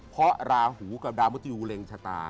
เพราะราหูกับดาวมุทยูเร็งชะตา